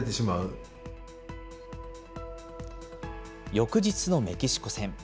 翌日のメキシコ戦。